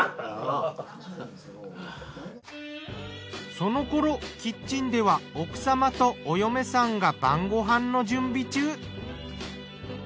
その頃キッチンでは奥様とお嫁さんが晩ご飯の準備中。